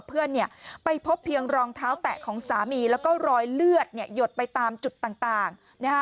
เพื่อนไปพบเพียงรองเท้าแตะของสามีแล้วก็รอยเลือดหยดไปตามจุดต่าง